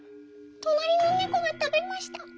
「となりのねこがたべました」。